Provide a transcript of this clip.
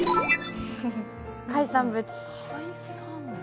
海産物。